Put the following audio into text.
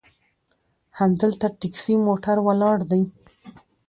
همدلته ټیکسي موټر ولاړ دي.